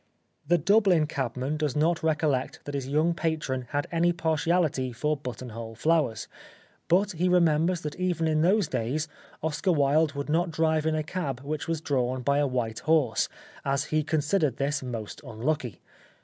The Dubhn cabman does not recollect that his young patron had any partiahty for buttonhole flowers, but he re members that even in those days, Oscar Wilde would not drive in a cab which was drawn by a white horse, as he considered this most unlucky.